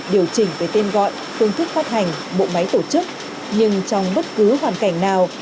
điều chỉnh về tên gọi phương thức phát hành bộ máy tổ chức nhưng trong bất cứ hoàn cảnh nào